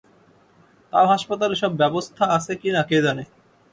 তাও হাসপাতালে সব ব্যবস্থা আছে কি না কে জানে।